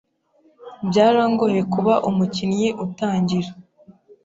Byarangoye kuba umukinnyi utangira.